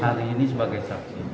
hari ini sebagai saksi